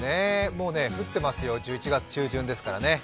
もう降ってますよ、１１月中旬ですからね。